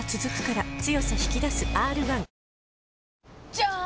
じゃーん！